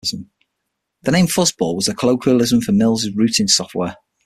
The name "Fuzzball" was the colloquialism for Mills' routing software.